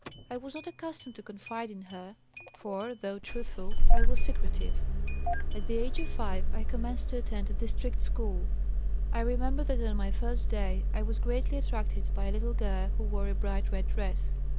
I was not accustomed to confide in her, for, though truthful, I was secretive. "At the age of 5 I commenced to attend a district school. I remember that on my first day I was Greatly attracted by a little girl who wore a bright red dress.